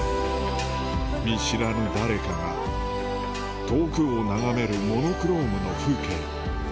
見知らぬ誰かが遠くを眺めるモノクロームの風景